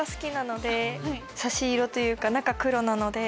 差し色というか中黒なので。